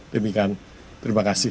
demikian terima kasih